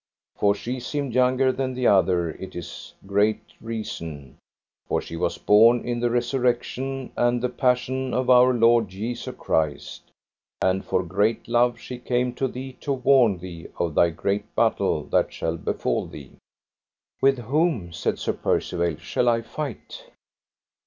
For she seemed younger than the other it is great reason, for she was born in the resurrection and the passion of Our Lord Jesu Christ. And for great love she came to thee to warn thee of thy great battle that shall befall thee. With whom, said Sir Percivale, shall I fight?